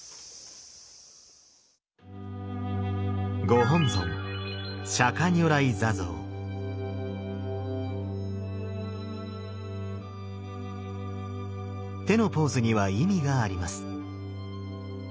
ご本尊手のポーズには意味があります。